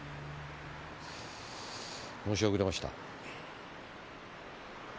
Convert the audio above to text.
申し遅れました。